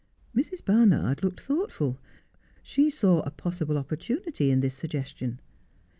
Mrs. Barnard looked thoughtful. She saw a possible oppor tunity in this suggestion.